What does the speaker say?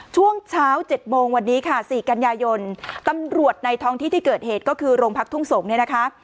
ช่วงเช้า๗โมงวันนี้ค่ะ๔กันยายนตำรวจในท้องที่ที่เกิดเหตุก็คือโรงพักทุ่งสงศ์เนี่ยนะคะ